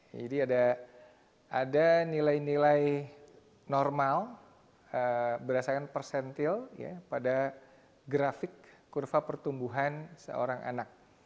jadi ada nilai nilai normal berdasarkan persentil pada grafik kurva pertumbuhan seorang anak